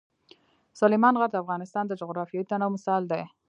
سلیمان غر د افغانستان د جغرافیوي تنوع مثال دی.